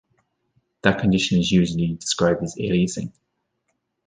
That condition is usually described as "aliasing".